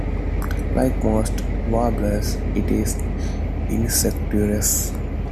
Like most warblers, it is insectivorous.